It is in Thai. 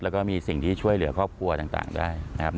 แล้วก็มีสิ่งที่ช่วยเหลือครอบครัวต่างได้นะครับ